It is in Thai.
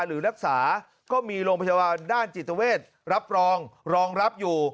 หรือรักษาก็มีโรงพยาบาลด้านจิตเวทรับรองรองรับอยู่